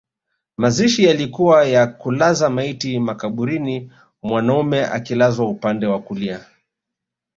Mazishi yalikuwa ya kulaza maiti makaburini mwanaume akilazwa upande wa kulia